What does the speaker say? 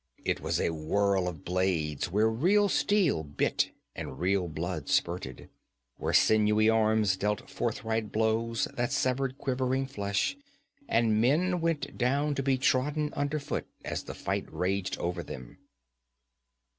It was a whirl of blades, where real steel bit and real blood spurted, where sinewy arms dealt forthright blows that severed quivering flesh, and men went down to be trodden under foot as the fight raged over them.